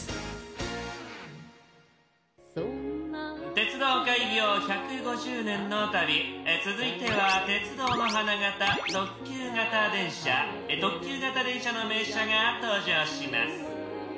鉄道開業１５０年の旅続いては鉄道の花形特急形電車特急形電車の名車が登場します。